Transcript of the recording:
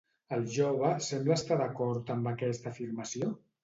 El jove sembla estar d'acord amb aquesta afirmació?